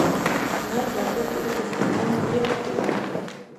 نر ډاکتر ښځو ته محرم ديه که نه.